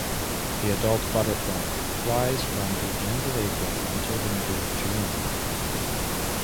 The adult butterfly flies from the end of April until the middle of June.